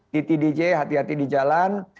di tdj hati hati di jalan